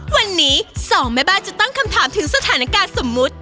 วันนี้สองแม่บ้านจะตั้งคำถามถึงสถานการณ์สมมุติ